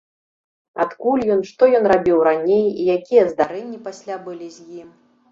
Адкуль ён, што ён рабіў раней і якія здарэнні пасля былі з ім?